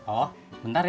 oh bentar ya